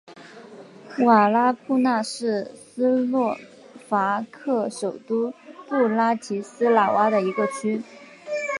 瓦拉库纳是斯洛伐克首都布拉提斯拉瓦的一个区。